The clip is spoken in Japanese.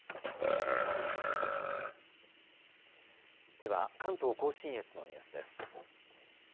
では関東甲信越のニュースです。